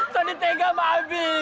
tony tengah sama abi